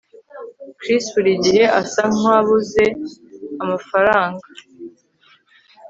Chris burigihe asa nkabuze amafaranga